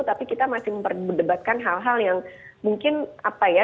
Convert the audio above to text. tapi kita masih memperdebatkan hal hal yang mungkin apa ya